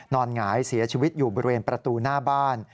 หงายเสียชีวิตอยู่บริเวณประตูหน้าบ้าน